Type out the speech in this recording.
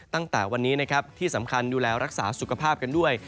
ตั้งแต่วันนี้นะครับที่สำคัญดูแลรักษาสุขภาพกันด้วย